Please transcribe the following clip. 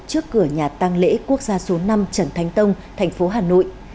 trước cửa nhà tăng lễ quốc gia số năm trần thánh tông thành phố hà nội